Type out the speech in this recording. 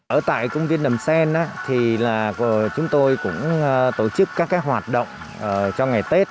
ở tại công viên đầm sen thì là chúng tôi cũng tổ chức các hoạt động cho ngày tết